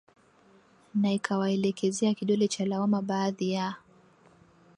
na ikawaelekezea kidole cha lawama baadhi ya